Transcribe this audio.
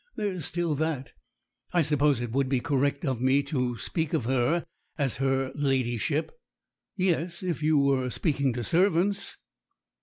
There is still that. I suppose it would be correct of me to speak of her as her ladyship." "Yes if you were speaking to servants."